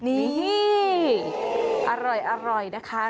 นี่อร่อยนะคะ